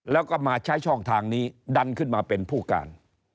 แล้วก็มาใช้ช่องทางนี้ดันขึ้นมาเป็นผู้การ